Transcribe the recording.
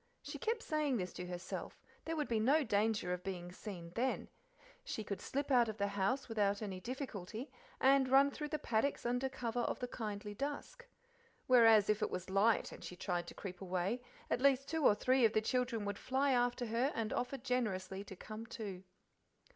she kept saying to herself: there would be no danger of being seen then; she could slip out of the house without any difficulty, and run through the paddocks under cover of the kindly dusk; whereas if it was light, and she tried to creep away, at least two or three of the children would fly after her and offer generously to "come too."